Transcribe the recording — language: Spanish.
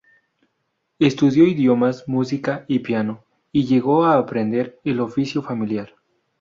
Estudió idiomas, música y piano, y llegó a aprender el oficio familiar.